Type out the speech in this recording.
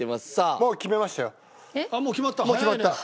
もう決まった。